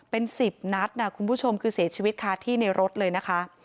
เป็น๑๐นัดนะคุณผู้ชมคือเสียชีวิตคาที่ในรถเลยนะคะ